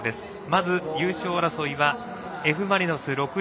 まず優勝争いはＦ・マリノス６５